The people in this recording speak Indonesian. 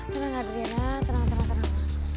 tenang adriana tenang tenang tenang